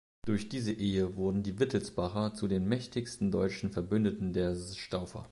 Durch diese Ehe wurden die Wittelsbacher zu den mächtigsten deutschen Verbündeten der Staufer.